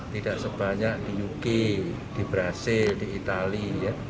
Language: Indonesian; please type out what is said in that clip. tidak sebanyak di uk di brazil di itali